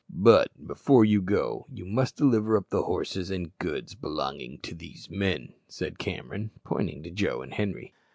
"But, before you go, you must deliver up the horses and goods belonging to these men," said Cameron, pointing to Joe and Henri.